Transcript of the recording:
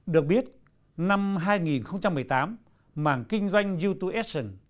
được biết năm hai nghìn một mươi tám mảng kinh doanh youtube action